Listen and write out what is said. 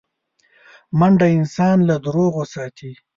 منډه انسان له دروغو ساتي